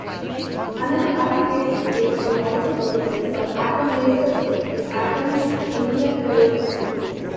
Another application, which might also benefit from atom lasers, is atom interferometry.